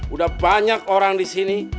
udah banyak orang di sini